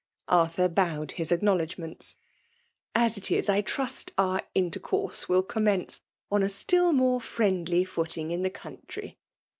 Arthur bowed his acknowledgments. '^ As it is, I trust our intercourse will com FEMALE DOMINATION. 283 mence on a still more friendly footing in the country.